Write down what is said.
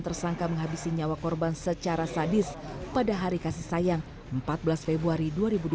tersangka menghabisi nyawa korban secara sadis pada hari kasih sayang empat belas februari dua ribu dua puluh